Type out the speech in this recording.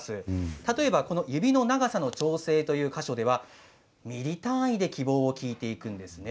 例えば指の長さの調整という箇所ではミリ単位で希望を聞いていくんですね。